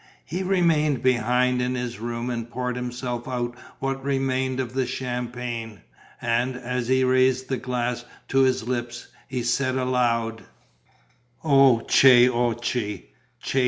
He remained behind in his room and poured himself out what remained of the champagne. And, as he raised the glass to his lips, he said, aloud: "O, che occhi!